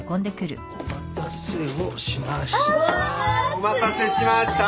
お待たせしました。